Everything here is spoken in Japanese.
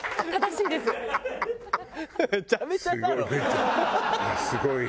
いやすごいね。